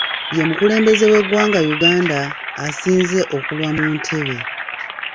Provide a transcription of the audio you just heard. Ye mukulembeze w'eggwanga Uganda asinze okulwa mu ntebe